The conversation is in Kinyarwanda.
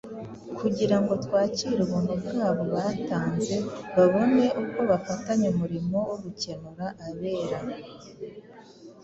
kugira ngo twakire ubuntu bwabo batanze, babone uko bafatanya umurimo wo gukenura abera